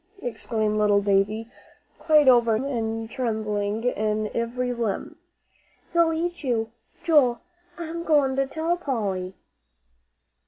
exclaimed little Davie, quite overcome, and trembling in every limb. "He'll eat you. Joel, I'm going to tell Polly."